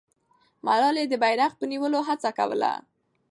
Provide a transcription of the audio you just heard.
ملالۍ د بیرغ په نیولو هڅه کوله.